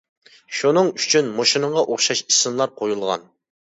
شۇنىڭ ئۈچۈن مۇشۇنىڭغا ئوخشاش ئىسىملار قويۇلغان.